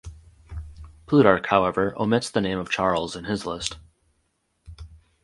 Plutarch, however, omits the name of Chares in his list.